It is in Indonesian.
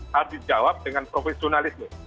harus dijawab dengan profesionalisme